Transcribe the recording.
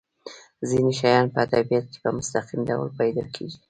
ځینې شیان په طبیعت کې په مستقیم ډول پیدا کیږي.